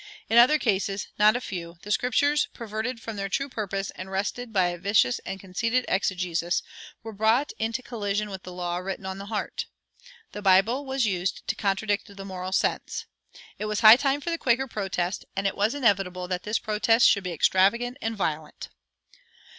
[113:1] In other cases, not a few, the Scriptures, perverted from their true purpose and wrested by a vicious and conceited exegesis, were brought into collision with the law written on the heart. The Bible was used to contradict the moral sense. It was high time for the Quaker protest, and it was inevitable that this protest should be extravagant and violent.